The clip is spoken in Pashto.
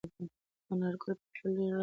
انارګل په خپله لویه رمه کې یو نوی برغلی ولید.